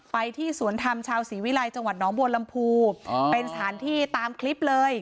ไปที่สวนธรรมชาวศรีวิลัยจังหวัดน้องบัวลำพูเป็นสถานที่ตามคลิปเลย